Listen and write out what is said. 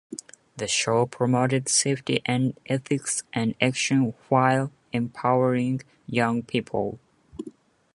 The show promoted safety and ethics and action while empowering young people.